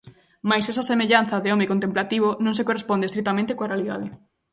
Mais esa semellanza de home contemplativo non se corresponde estritamente coa realidade.